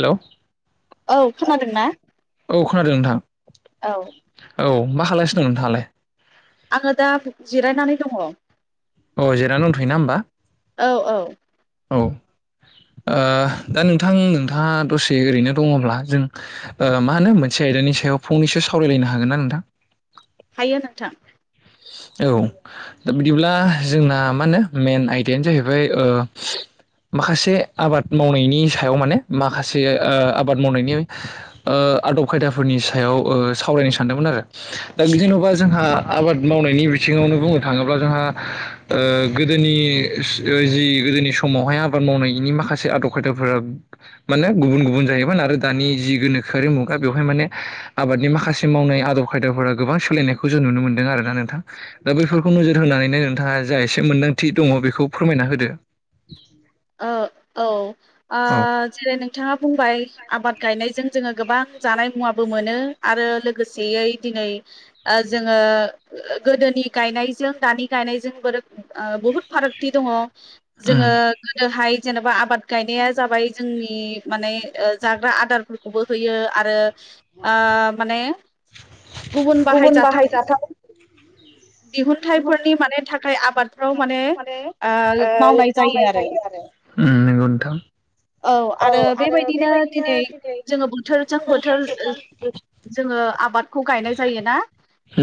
हेल' [unintelligible] औ खोनादों औ नोंथां औ मा खालायगासिनो दं नोंथाङालाय? आङो दा जिरायनानै दङ। औ जिरानानै दंथ'यो ना होमबा औ औ ओ दा नोंथां नोंथाङा दसे ओरैनो दङब्ला जों ओ मा होनो मोनसे आयदानि सायाव फंनैसो सावरायलायनो हागोन ना नोंथां? हायो नोंथां। औ दा बिदिब्ला जोंना मा होनो मेन आयदायानो जाहैबाय ओ माखासे आबाद मावनायनि सायाव माने माखासे ओ आबाद मावनायनि ओ आदब खायदाफोरनि सायाव सावरायनो सानदोंमोन आरो दा बिदिेन'बा जोंहा आबाद मावनायनि बिथिङावनो बुंनो थाङोब्ला जोंहा ओ गोदोनि जि गोदोनि समावहाय आबाद मावनायनि माखासे आदब खायदाफोरा माने गुबुन गुबुन जायोमोन आरो दानि जि गोनोखो खारि मुगा बेवहाय माने आबादनि माखासे मावनाय आदब खायदाफोरा गोबां सोलायनायखौ जों नुनो मोनदों आरो नोंथां दा बेफोरखौ नोजोर होनानैनो नोंथाङा जा एसे मोनदांथि दङ बेखौ फोरमायना होदो। [inaudible] ओ औ आ औ जेरै नोंथाङा बुंबाय आबाद गायनायजों जोङो गोबां जानाय मुवाबो मोनो आरो लोगोसेयै दिनै जोङो गोदोनि गायनायजों दानि गायनायजों बोरै आ बुहुद फारागथि दङ उम जोङो बेहाय जेनेबा आबाद गायनाया जाबाय जोंनि माने ओ जाग्रा आदारफोरखौबो होयो आरो आ माने गुबुन बाहायजाथाव दिहुनथाइफोरनि माने थाखाय आबादफ्राव माने आ मावनाय जायो आरो। उम नोंगौ नोंथां। औ आरो बेबायदिनो दिनै जोङो बोथोरजों बोथोर जोङो आबादखौ गायनाय जायोना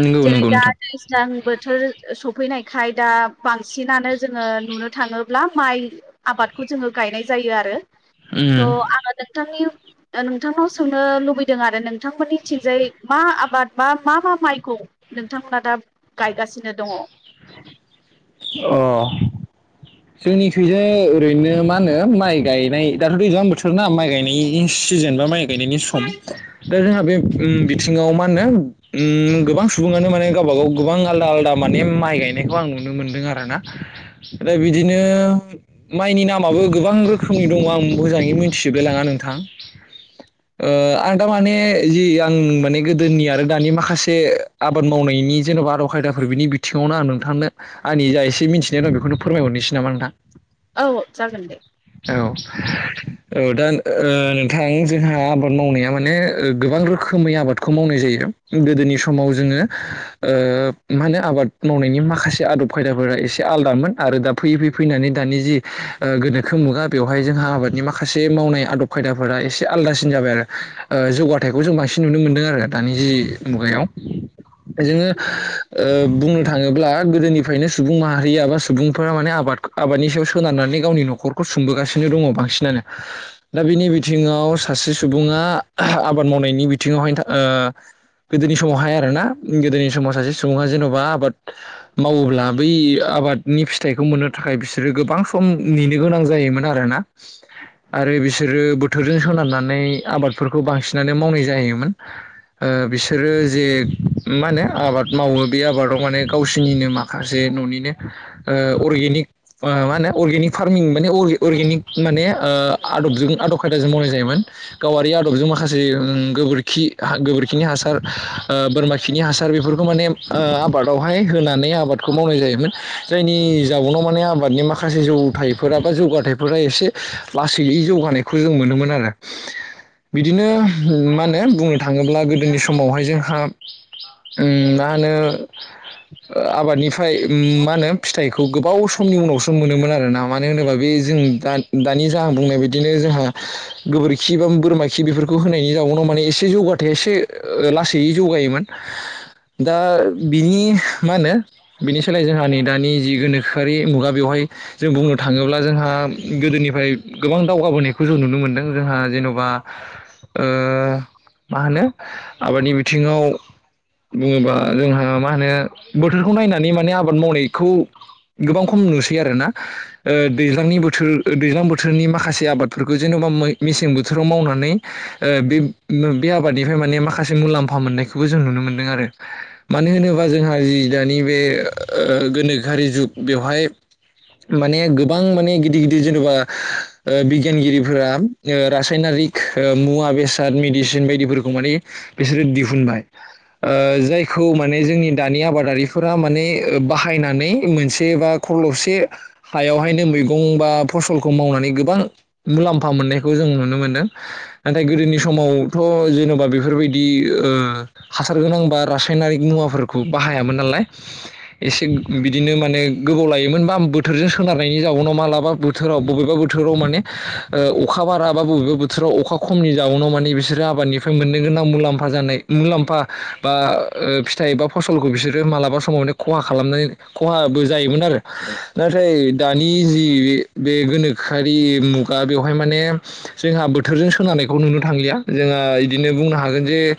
नंगौ जेरै नंगौ दा नोंथां दैजां बोथोर सफैनायखाय दा बांसिनानो जोङो नुनो थाङोब्ला माइ आबादखौ जोङो गायनाय जायो आरो उम। थ' आङो नोंथांनि नोंथांनाव सोंनो लुबैदों आरो नोंथांमोननिथिंजाय मा आबाद बा मा मा माइखौ नोंथांमोना दा गायगासिनो दङ। अ जोंनिखइजों ओरैनो मा होनो माइ गायनाय दाथ'' एसेबां बोथोरनाा माइ गायनायनि जेनेबा माइ गायनायनि सम दा जोंहा बे उम बिथिङाव माहोनो उम गोबां सुबुं माने गावब गाव गोबां आलदा आलदा माने माइ गायनायखौ आं नुनो मोनदों आरोना। ओमफ्राय बिदिनो माइनि नामाबो गोबां रोखोमनि दङ आं मोजाङै मिथिजोबाय लाङा नोंथां। ओ आं दामाने जि आं माने गोदोनि आरो दानि माखासे आबाद मावनाय नि जेन'बा आदब खायदाफोर बिनि बिथिङावनो आं नोंथांनो आंनि जा एसे मिथिनायं बेखौनो फोरमायहरनोसै नामा आं नोंथां? औ जागोन दे। औ औ दा ओ नोंथां जोंहा आबाद मावनाया माने गोबां रोखोमै आबादखौ मावनाय जायो। गोदोनि समाव जोङो ओ मा होनो आबाद मावनायनि माखासे आदब खायदाफोर आरो एसे आलदामोन आरो दा फैयै फैयै फैनानै दानि जि गोनोखो मुगा बेवहाय जोंहा आबादनि माखासे मावनाय आदब खाय खायदाफोरा एसे आलदासिन जाबाय आरो ओ जौगाथायाइखौ जों बांसिन नुनो मोनदों आरो दानि जि मुगायाव जोङो ओ बुंनो थाङोब्ला गोदोनिफ्रायनो सुबुं माहारिया बा सुबुंफोरा माने आबाद आबादनि सायाव सोनारनानै गावनि न'खरखौ सुंबोगासिनो दङ बांसिनानो दा बेनि बिथिङाव सासे सुबुङा आह आबाद मावनायनि बिथिङावहाय ओ गोदोनि समावहाय आरोना गोदोनि समाव सासे सुबुङा जेन'बा आबाद मावोब्ला बै आबाद नि फिथाइखौ मोननो थाखाय बिसोरो गोबां सम नेनो गोनां जायोमोन आरोना आरो बिसोर बिसोरो बोथोरजों सोनारनानै आबादफोरखौ बांसिनानो मावनाय जायोमोन। ओ बिसोरो जे मा होनो आबाद मावो बे आबादाव माने गावसोरनिनो माखासे न'निनो अर्गेनिक मा होनो अरगेनिक फार्मिं माने अर्गेनिक माने ओ आदबजों आदब खायदाजों मावनाय जायोमोन गावारि आदबजों माखासे ओ गोबोरखि गोबोरखिनि हासार ओ बोरमा खिनि हासार बेफोरखौ माने ओ आबादावहाय होनानै आबादखौ मावनाय जायोमोन। जायनि जाबावनाव माने आ आबादनि माखासे जौथायाइफोरा बा जौगाथायाइफोरा एसे लासैयै जौगानायखौ जों मोनोमोन आरो बिदिनो मा होनो बुंनो थाङोब्ला गोदोनि समावहाय जोंहा उम मा होनो आबादनिफ्राय मा होनो फिथाइखौ गोबाव समनि उनावसो मोनोमोन आरोना मानो होनोबा बे जों दा दानि जाह बुंनाय बदिनो जोंहा गोबोरखि बा बोरमा खि बेफोरखौ होनायनि जाउनाव माने एसे जौगाथाया एसे लासै जौगायोमोन दा बिनि मा होनो बिनि सोलाय जोंहा नै दानि जि गोनोखोआरि मुगा बेवहाय जों बुंनो थाङोब्ला जोंहा गोदोनिफ्राय गोबां दावगाबोनायखौ जों नुनो मोनदों जोंहा जेन'बा ओ मा होनो आबादनि बिथिङाव बुङोबा जोंहा मा होनो बोथोरखौ नायनानै माने आबाद मावनायखौ गोबां खम नुसै आरोना दैज्लांनि बोथोर दैज्लां बोथोरनि माखासे आबादफोरखौ जेनबा मेसें बोथोराव मावनानै ओ बे-बे फ्राय माने माखासे मुलाम्फा मोननायखौबो जों नुनो मोन्दों आरो मानो होनोबा जोंहा जि दानि बे ओ गोनोखोआरि जुग बेवहाय माने गोबां माने गिदिर गिदिर जेनेबा बिगियानगिरिफोरा रासायनारि मुवा बेसाद मेदिसिन बायदिफोरखौ माने बिसोरो दिहुनबाय। ओ जायखौ माने जोंनि दानि आबादारिफोरा माने बाहायनानै मोनसे बा खलबसे हायावहायनो मैगं बा फसलखौ मावनानै गोबां मुलाम्फा मोननायखौ जों नुनो मोनदों नाथाय गोदोनि समावथ' जेन'बा बेफोरबायदि ओ हासार गोना बा रासाइनारि मुवाफोरखौ बाहायामोन नालाय एसेख । बिदिनो माने गोबाव लायोमोन बा बोथोरजों सोनारनायनि जाउनाव मालाबा बोथोराव बबेबा बोथोराव माने। ओ अखा बारा बा बबेबा बोथोराव अखा खमनि जाउनाव माने बिसोरो आबादनिफ्राय मोननो गोनां मुलाम्फ जानाय मुलाम्फा बा ओ फिथाइबा फसलखौ बिसोरो मालाबा समाव माने खहा खालामना खहाबो जायोमोन आरो नाथाय दानि जि बे गोनोखोआरि मु मुगा बेवहाय माने जोंहा बोथोरजों सोनानायखौ नुनो थांलिया जोंहा बिदिनो बुंनो हागोन जे ओ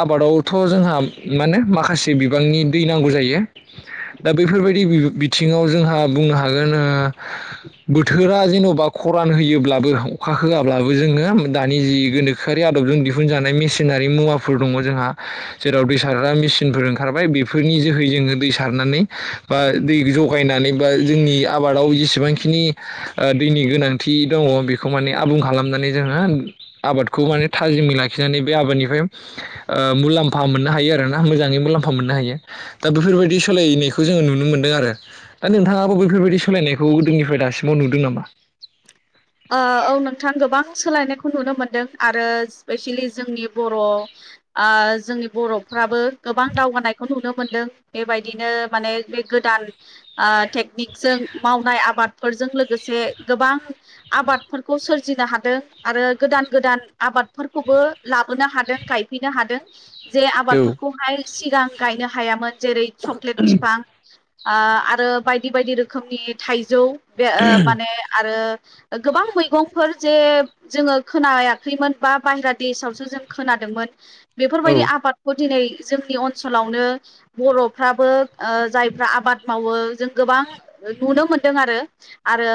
आबादावथ' जोंहा मा होनो माखासे बिबांनि दै नांगौ जायो। दा बेफोरबायदि बिथिङाव जोंहा बुंनो हागोन बोथोरा जेन'बा खरान होयोब्लाबो अखा होआब्लाबो जोङो दानि जि गोनोखोआरि आदबजों दिहुनजानाय मेसिनारि मुवाफोर दङ जोंहा जेराव दै साग्रा मेसिनफोर ओंखारबाय बेफोरनि जोहै जोङो। दै सारनानै बा दै जगायनानै बा जोंनि आबादाव जेसेबांखिनि ओ दैनि गोनांथि दङ बेखौ माने आबुं खालामनानै जोङो आबादखौ माने थाजिमै लाखिनानै बे आबादनिफ्राय ओ मुलाम्फा मोननो हायो आरोना मोजाङै मुलाम्फा मोननो हायो दा बेफोरबायद गनायखौ जोङो नुनो मोन्दों आरो दा नोंथाङाबो बैफोरबायदि सोलायनायखौ गोदोनिफ्राय दासिमाव नुदों नामा? [inaudible] ओ औ नोंथां गोबां सोलायनायखौ नुनो मोनदों आरो स्पेसियेलि जोंनि बर' आ जोंनि बर'फ्राबो गोबां दावगानायखौ नुनो मोनदों बेबायदिनो माने बे गोदान आ टेकनिकजों मावनाय आबादफोरजों लोगोसे गोबां आबादफोरखौ सोरजिनो हादों आरो गोदान गोदान आबादफोरखौबो लाबोनो हादों गाइद फैनो हादों। जे औ आबादफोरखौहाय सिगां गायनो हायामोन जेरै चक्लेट फिफां आं आरो बायदि बायदि रोखोमनि थाइजौ बे ओ माने आरो गोबां मैगंफोर जे जोङो खोनायाखैमोन बा बाहेरा देशावसो जों खोनादोंमोन। बेफोरबायदि औ आबादखौ दिनै जोंनि अनसलावनो बर'फ्राबो जायफ्रा आबाद मावो जों गोबां नुनो मोनदों आरो आरो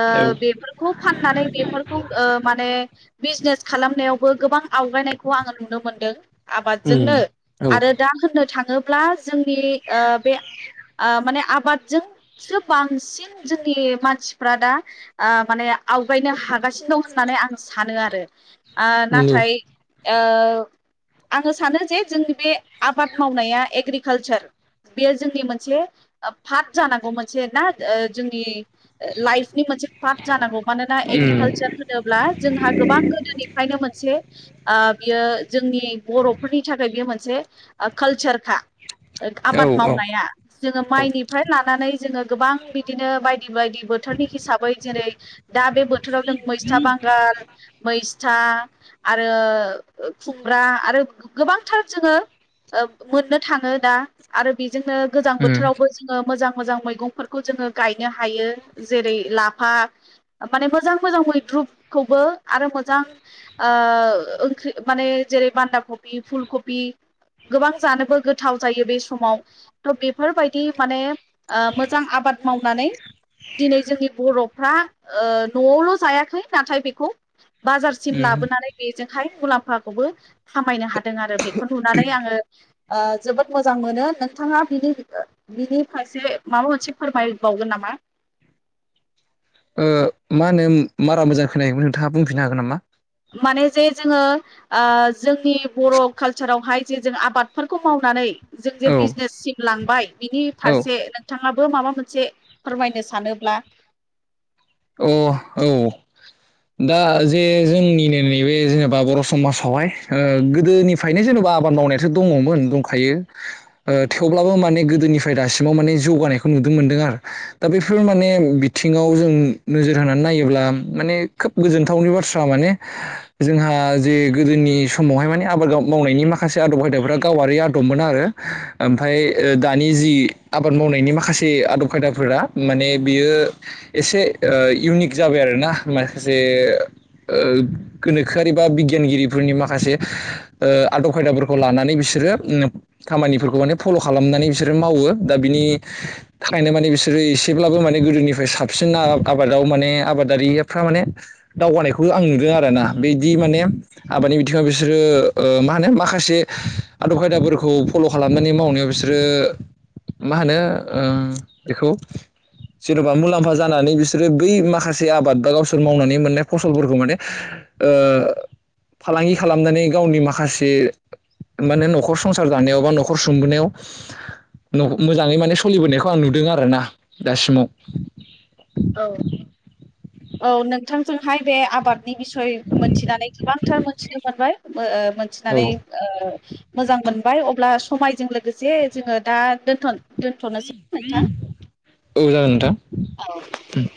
बेफोरखौ फाननानै बेफोरखौ माने बिजनेस खालामनायावबो गोबां आवगायनायखौ आङो नुनो मोनदों। उम आबादजोंनो औ आरो दा होननो थाङो ब्ला जोंनि ओ बे माने आबादजोंसो बांसिन जोंनि बे मानसिफ्रा ओ दा माने आवगायनो हागासिनो दं होननानै आं सानो आरो ओ नंगौ नाथाय ओ आङो सानो जे जोंनि बे आबाद मावनाया एग्रिकालसार बेयो जोंनि मोनसे पार्थ जानांगौ मोनसे ना जोंनि लाइफनि मोनसे फार्थ जानांगौ मानोना एग्रिकालसार होनोब्ला जोंहा गोबां गोदोनिफ्रायनो मोनसे ओ बियो जोंनि बर'फोरनि थाखाय बियो मोनसे कालचारखा औ आबाद औ मावनाया। जोङो औ माइनिफ्राय लानानै जोङो गोबां बिदिनो बाय दि बायदि बोथोरनि हिसाबै जेरै दा बे बोथोराव दों मैस्था बांगाल, मै स्था आरो खुमब्रा आरो गोबांथार जोङो मोननो थाङो दा आरो बेजोंनो गोजां उम बोथोरावबो जोङो मोजां मोजां मैगंफोरखौ जोङो गायनो हायो जेरै- लाफा माने मोजां मोजां मैद्रुखौबो आरो मोजां ओ ओंख्रि माने [inaudible] बान्दााखपि, फुलकपि गोबां जानोबो गोथाव जायो बे समाव, थ' बेफोरबायदि माने ओ मोजां आबाद आबाद मावनानै दिनै जोंनि बर'फ्रा ओ न'आवल' जायाखै नाथाय बेखौ बाजारसिम उम लाबोनानै बेजों हाय मुलाम्फाखौबो खामायनो हादों आरो बेखौ नुनानै आङो ओ जोबोद मोजां मोनो। नोंथाङा बिनि बिनि फारसे माबा मोनसे फोरमायबावगोन नामा [inaudible] ओ मा होनो मारा मोजां खोनायाखैमोन नोंथाङा बुंफिननो हागोन नामा? माने जे जोङो ओ जोंनि बर' कालसारावहाय जे जों आबादफोरखौ मावनानै जों जे औ बिजनेससिम लांबाय बिनि औ फारसे नोंथाङा बो माबा मोनसे फोरमायनो सानोब्ला अ औ दा जे जोंनिनो नैबे जेनेबा बर' समाजावहाय ओ गोदोनिफ्रायनो जेन बा आबाद मावनायाथ' दङमोन दंखायो ओ थेवब्लाबो मानि गो दोनिफ्राय दासिमाव माने जौगानायखौ नुनो मोन्दों आरो दा बेफोर माने बिथिङाव जों नोजोर होनानै नायोब्ला माने खोब गोजोनथावनि बाथ्रा माने जोंहा जे गोदोनि नि समावहाय माने आबाद गा मावनायनि माखासे आदब खायदाफ्रा गावारि आदबमोन आरो ओमफाय ओ दा दानि जि आबाद मावनायनि माखासे आदब खायदाफोरा माने बियो एसे ओ इउनिक जाबाय आरोना माखासे ओ गोनोखोआरि बा बिगियानगिरिफोरनि माखासे ओ आदब खायदाफोरखौ लानानै बिसोर रो खामानिफोरखौ माने फल' खालामनानै बिसोरो मावो दा बिनि थाखायनो माने बिसो रो एसेब्लाबो माने गोदोनिफ्राय साबसिन [inaudible] आबादाव माने आबादारिफ्रा माने दावगानायखौ आं नुदों आरोना, बिदि माने आबाद मानि बिथिङाव बिसोरो ओ मा होनो माखासे आदब खायदाफोरखौ फल' खालामनानै मावनायाव बिसोरो ओ मा होनो ओ बेखौ जेन'बा मुलाम्फा जानानै बिसो रो बै माखासे आबाद बा गावसोर मावनानै मोननाय फसलफोरखौ माने ओ फालांगि खालामनानै गावनि माखासे माने न'खर संसार जानायाव, बा न'खर सुंबोनायाव मोजाङै माने सलिबोनायखौ आं नुदों आरो ना दासिमाव औ औ नोंथांजोंहाय बे आबाद नि बिसय मोनथिनानै गोबांथार मोनथिनो मोनबाय ओ औ मोनथिनानै ओ मोजां मोनबाय अब्ला समायजों लोगोसे जोङो दा दोनथ'नो औ जागोन नोंथां ओम